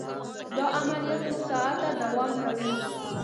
دا عملیه څو ساعته دوام کوي.